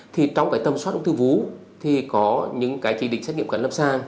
thì trong cái tầm soát ung thư vú thì có những cái chỉ định xét nghiệm cận lâm sàng